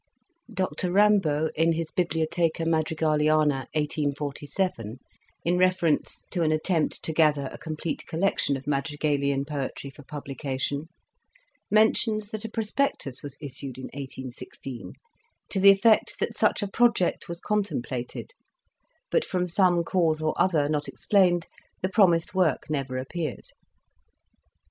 Dr Rimbault in his " Bibliotheca Madri galiana," 1847, in reference to an attempt to gather a complete collection of madrigalian poetry for publication, mentions that a pro spectus was issued in 1816 to the effect that such a project was contemplated, but from some cause or other, not explained, the promised work never appeared.